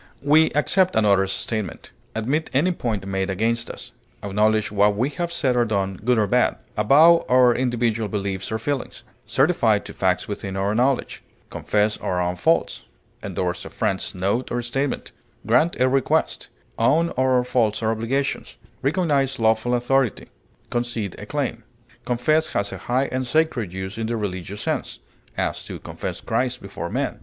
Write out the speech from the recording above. We accept another's statement; admit any point made against us; acknowledge what we have said or done, good or bad; avow our individual beliefs or feelings; certify to facts within our knowledge; confess our own faults; endorse a friend's note or statement; grant a request; own our faults or obligations; recognize lawful authority; concede a claim. Confess has a high and sacred use in the religious sense; as, to confess Christ before men.